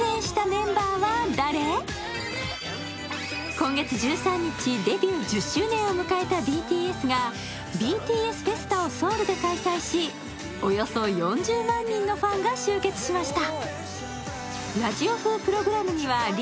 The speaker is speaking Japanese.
今月１３日、デビュー１０周年を迎えたＢＴＳがＢＴＳＦＥＳＴＡをソウルで開催しおよそ４０万人のファンが集結しました。